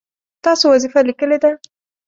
تاسو وظیفه لیکلې ده؟